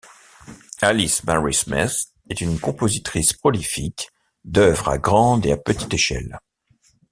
Alice Mary Smith est une compositrice prolifique d'œuvres à grande et à petite échelle.